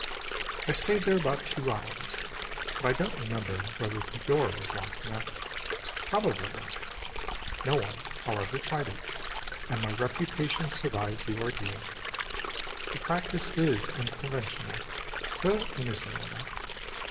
I stayed there about two hours, but I don't remember whether the door was locked or not, probably not; no one, however, tried it, and my reputation survived the ordeal. The practice is unconventional, though innocent enough.